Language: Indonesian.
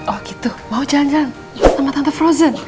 oh gitu mau jalan jalan sama tante frozen